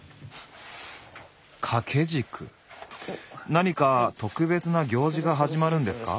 何か特別な行事が始まるんですか？